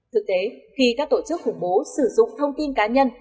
thực tế khi các tổ chức khủng bố sử dụng thông tin cá nhân